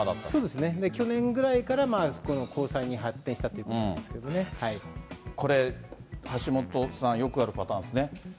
そうですね、去年ぐらいから、交際に発展したという感じなんでこれ、橋下さん、よくあるパターンですね。